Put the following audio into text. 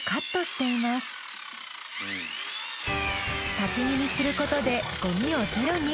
薪にすることでゴミをゼロに。